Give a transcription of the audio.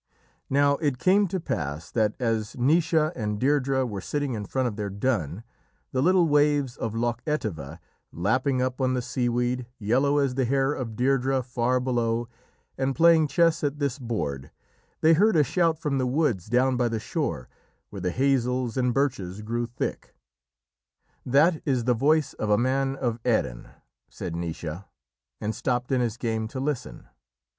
Now it came to pass that as Naoise and Deirdrê were sitting in front of their dun, the little waves of Loch Etive lapping up on the seaweed, yellow as the hair of Deirdrê, far below, and playing chess at this board, they heard a shout from the woods down by the shore where the hazels and birches grew thick. "That is the voice of a man of Erin!" said Naoise, and stopped in his game to listen.